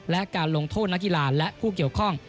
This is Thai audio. และการลงโทษนักกีฬาและผู้เกี่ยวข้อง